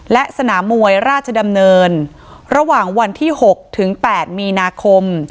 และสนามมวยราชดำเนินระหว่างวันที่๖ถึง๘มีนาคม